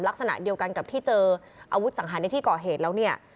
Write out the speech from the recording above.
ลักษณะเดียวกันกับที่เจออาวุธสังหารในที่ก่อเหตุแล้วเนี่ย